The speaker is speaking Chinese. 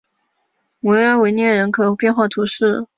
维埃维涅人口变化图示